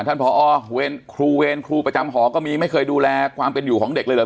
ผอครูเวรครูประจำหอก็มีไม่เคยดูแลความเป็นอยู่ของเด็กเลยเหรอ